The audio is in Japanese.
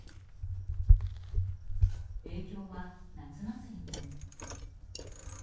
影響は夏祭りにも。